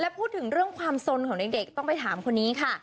พูดถึงเรื่องความสนของเด็กต้องไปถามคนนี้ค่ะ